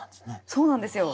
そうなんですよ。